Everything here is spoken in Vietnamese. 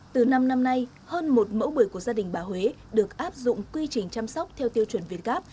từ năm năm nay hơn một mẫu bưởi của gia đình bà huế được áp dụng quy trình chăm sóc theo tiêu chuẩn việt gáp